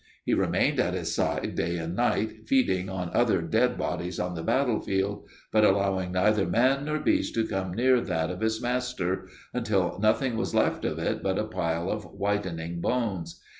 He remained at his side day and night, feeding on other dead bodies on the battlefield, but allowing neither man nor beast to come near that of his master until nothing was left of it but a pile of whitening bones.